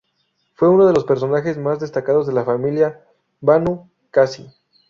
Fue uno de los personajes más destacados de la familia Banu Qasi.